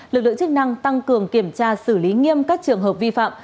lực lượng chức năng tăng cường kiểm tra xử lý nghiêm các trường hợp vi phạm